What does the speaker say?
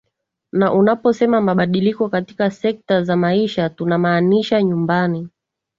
na unaposema mabadiliko katika sekta za maisha tunamaanisha nyumbani